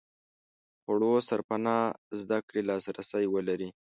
خوړو سرپناه زده کړې لاس رسي ولري.